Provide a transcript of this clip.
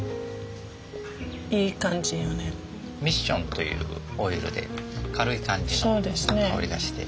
ミッションというオイルで軽い感じの香りがして。